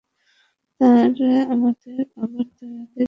আর আমাদের আবার অদের পিছনে ছুটতে হবে।